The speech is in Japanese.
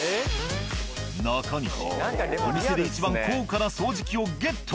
中西お店でいちばん高価な掃除機をゲット。